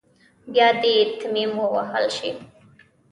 بيا دې تيمم ووهل شي.